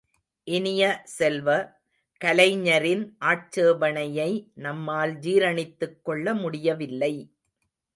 இனிய செல்வ, கலைஞரின் ஆட்சேபணையை நம்மால் ஜீரணித்துக் கொள்ளமுடியவில்லை!